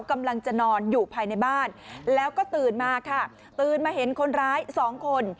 กำลังจะนอนอยู่ภายในบ้านแล้วก็ตื่นมาค่ะตื่นมาเห็นคนร้ายสองคน